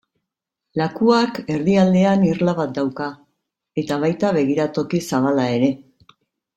Lakuak erdialdean irla bat dauka, eta baita begiratoki zabala ere.